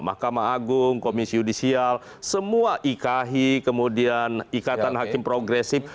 mahkamah agung komisi yudisial semua iki kemudian ikatan hakim progresif